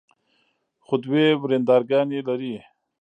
خو دوې ورندرګانې لري.